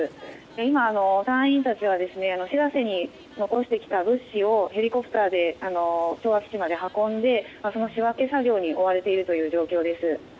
今、隊員たちは「しらせ」に残してきた物資をヘリコプターで昭和基地まで運んでその仕分け作業に追われている状況です。